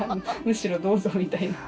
むしろどうぞみたいな。